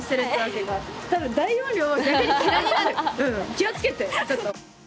気を付けてちょっと。